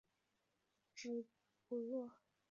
直布罗陀植物园是直布罗陀的一座植物园。